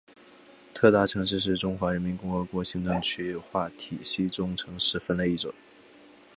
特大城市是中华人民共和国行政区划体系中城市分类之一。